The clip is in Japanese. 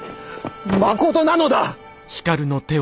まことなのだ！